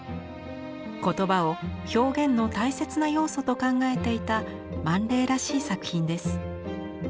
言葉を表現の大切な要素と考えていたマン・レイらしい作品です。